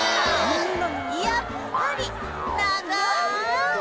やっぱり長い！